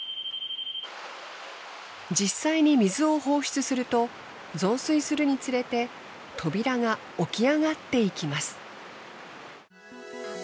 実際に水を放出すると増水するにつれて扉が起き上がっていきます。